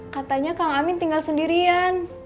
katanya kang amin tinggal sendirian